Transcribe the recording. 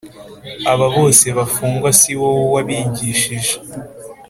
aba bose bafungwa Si wowe wabigishije